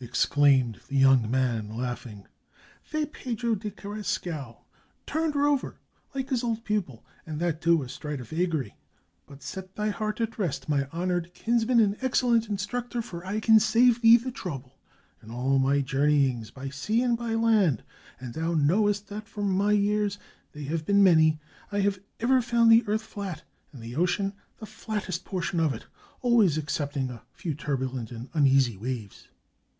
exclaimed the young man, laughing. "Fray Pedro de Carrascal turned rover, like his old pupil, and that, too, astride a vagary! But set thy heart at rest, my honored kinsman and excellent instructor, for I can save thee the trouble. In all my journeyings, by sea and by land — and thou knowest that, for my years, they have been many — I have ever found the earth flat, and the ocean the flattest portion of it, always excepting a few turbulent and uneasy waves."